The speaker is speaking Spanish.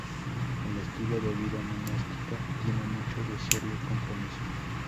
El estilo de vida monástica tiene mucho de serio compromiso.